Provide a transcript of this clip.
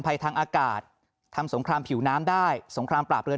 ภัยทางอากาศทำสงครามผิวน้ำได้สงครามปราบเรือน